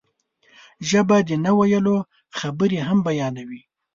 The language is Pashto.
ژبه د نه ویلو خبرې هم بیانوي